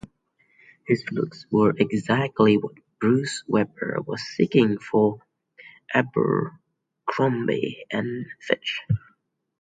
His looks were exactly what Bruce Weber was seeking for Abercrombie and Fitch.